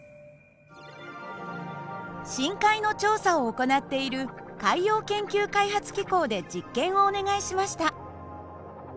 深海の調査を行っている海洋研究開発機構で実験をお願いしました。